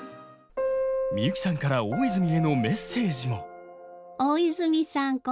みゆきさんから大泉へのメッセージも大泉さん